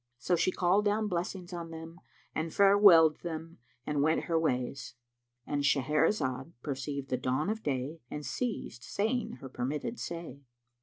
So she called down blessings on them and farewelled them and went her ways.—And Shahrazad perceived the dawn of day and ceased saying her permitted say.